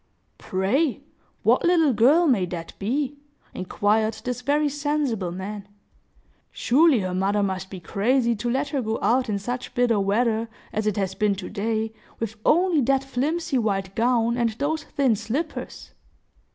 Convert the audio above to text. "Pray, what little girl may that be?" inquired this very sensible man. "Surely her mother must be crazy to let her go out in such bitter weather as it has been to day, with only that flimsy white gown and those thin slippers!"